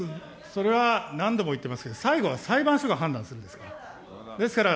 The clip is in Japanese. それは何度も言ってますけど、最後は裁判所が判断するんですから。